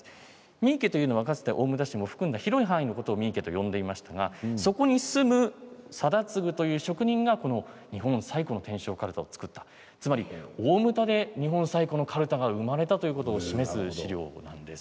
三池というのはかつて大牟田市を含んだ広い範囲のことを三池と呼んでいましたがそこに住む貞次という職人が日本最古の天正カルタを作ったつまり大牟田で日本最古のカルタが生まれたということを示す資料なんです。